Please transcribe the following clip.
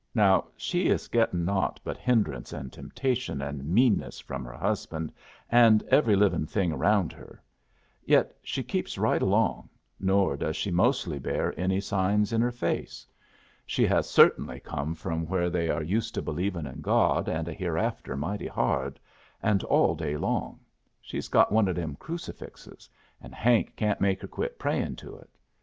Now she is getting naught but hindrance and temptation and meanness from her husband and every livin' thing around her yet she keeps right along, nor does she mostly bear any signs in her face. She has cert'nly come from where they are used to believing in God and a hereafter mighty hard, and all day long. She has got one o' them crucifixes, and Hank can't make her quit prayin' to it.